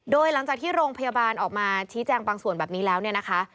โดยหลังจากที่โรงพยาบาลออกมาชี้แจงบางส่วนแบบนี้แล้วเนี่ยนะคะ